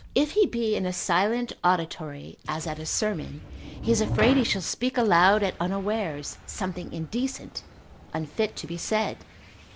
If he be in a silent auditory, as at a sermon, he is afraid he shall speak aloud at unawares, something indecent, unfit to be said.